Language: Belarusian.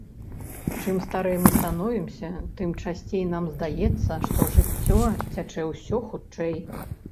Чым старэй мы становімся, тым часцей нам здаецца, што жыццё цячэ ўсё хутчэй.